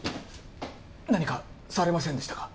何かされませんでしたか？